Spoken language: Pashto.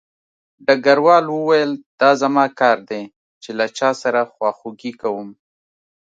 ډګروال وویل دا زما کار دی چې له چا سره خواخوږي کوم